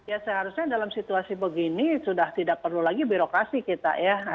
ya seharusnya dalam situasi begini sudah tidak perlu lagi birokrasi kita ya